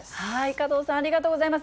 加藤さん、ありがとうございます。